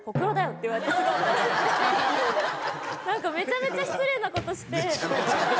めちゃめちゃ失礼なことして。